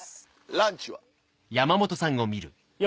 ランチは？